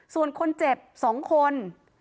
ส่วนคนเจ็บ๒คน